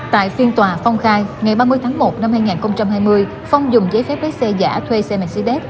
tại phiên tòa phong khai ngày ba mươi tháng một năm hai nghìn hai mươi phong dùng giấy phép lái xe giả thuê xe mcdev